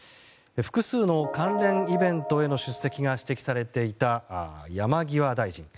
複数の関連イベントへの出席が指摘されていた山際大臣。